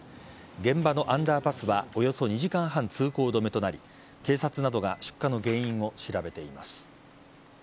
現場のアンダーパスはおよそ２時間半、通行止めとなり警察などが出火の原因を調べています。